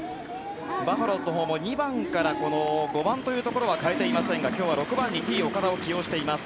バファローズのほうも２番から５番というところは変えていませんが今日は６番にＴ−岡田を起用しています。